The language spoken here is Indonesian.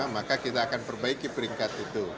maka kita akan perbaiki peringkat itu